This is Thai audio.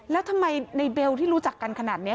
แล้วทำไมในเบลที่รู้จักกันขนาดนี้